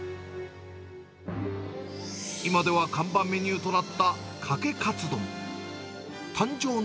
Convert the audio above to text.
今では看板メニューとなったかけかつ丼。